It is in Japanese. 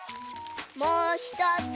もうひとつ。